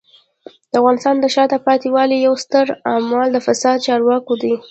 د افغانستان د شاته پاتې والي یو ستر عامل د فسادي چارواکو دی.